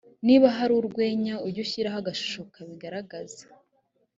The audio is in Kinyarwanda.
niba ari urwenya ujye ushyiraho agashusho kabigaragaza